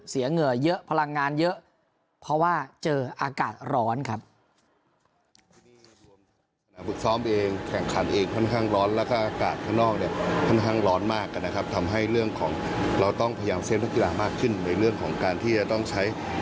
เหงื่อเยอะพลังงานเยอะเพราะว่าเจออากาศร้อนครับ